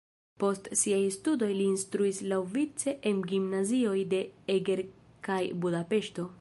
Post siaj studoj li instruis laŭvice en gimnazioj de Eger kaj Budapeŝto.